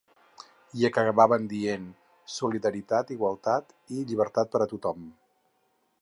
I acabaven dient: Solidaritat, igualtat i llibertat per a tothom.